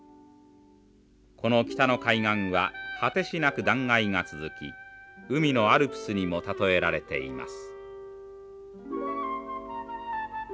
この北の海岸は果てしなく断崖が続き海のアルプスにも例えられています。